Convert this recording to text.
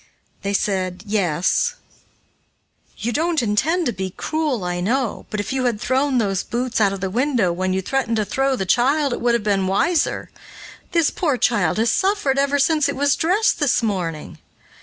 They said, "Yes." "You don't intend to be cruel, I know, but if you had thrown those boots out of the window, when you threatened to throw the child, it would have been wiser. This poor child has suffered ever since it was dressed this morning."